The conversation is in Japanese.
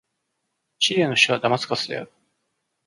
シリアの首都はダマスカスである